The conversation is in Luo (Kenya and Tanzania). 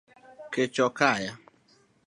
Kech ok kaya